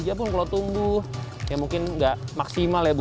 aja pun kalau tumbuh ya mungkin nggak maksimal ya bu